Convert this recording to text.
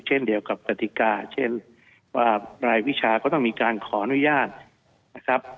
เช่นเดียวกับกติกาเช่นว่ารายวิชาก็ต้องมีการขออนุญาตนะครับ